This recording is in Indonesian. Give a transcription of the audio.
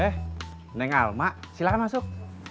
eh neng alma silahkan masuk